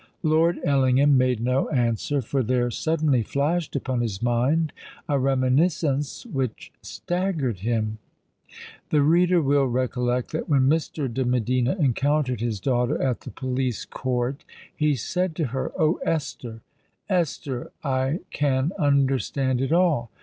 Lord Ellingham made no answer: for there suddenly flashed upon his mind a reminiscence which staggered him. The reader will recollect that when Mr. de Medina encountered his daughter at the police court, he said to her, "_Oh! Esther—Esther, I can understand it all.